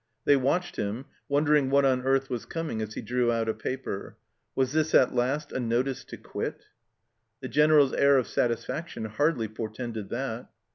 They watched him, wondering what on earth was coming as he drew out a paper ; was this at last a " notice to quit "? The General's air of satisfaction hardly portended that.